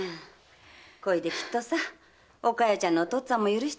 これできっとお加代ちゃんのお父っつぁんも許してくれるよ。